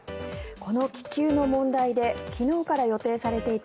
この気球の問題で昨日から予定されていた